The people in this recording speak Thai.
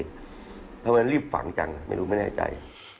ทำไมเรามันรีบฝังกันไม่รู้ไม่แน่ใจ